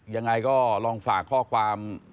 ยังไงก็ลองฝากข้อความ